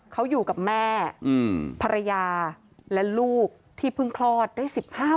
เขาอยู่กับแม่ภรรยาและลูกที่เพิ่งคลอดได้๑๕วัน